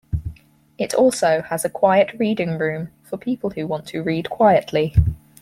It also has a Quiet Reading Room for people who want to read quietly.